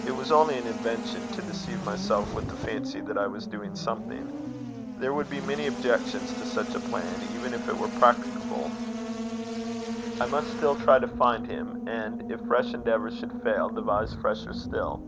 It was only an invention, to deceive myself with the fancy that I was doing something. There would be many objections to such a plan, even if it were practicable. I must still try to find him, and if fresh endeavours should fail, devise fresher still."